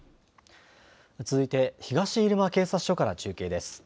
続いて東入間警察署から中継です。